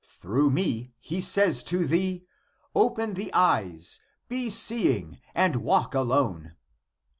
Through me he says to thee. Open the eyes, be seeing and walk alone."